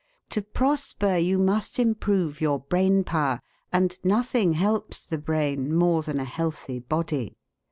To prosper you must improve your brain power; and nothing helps the brain more than a healthy body.